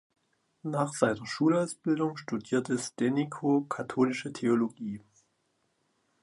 Nach seiner Schulausbildung studierte Stenico Katholische Theologie.